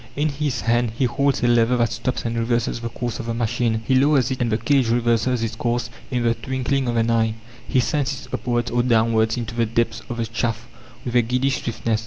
In his hand he holds a lever that stops and reverses the course of the machine; he lowers it and the cage reverses its course in the twinkling of an eye; he sends it upwards or downwards into the depths of the shaft with a giddy swiftness.